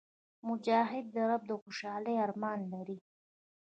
مجاهد د رب د خوشحالۍ ارمان لري.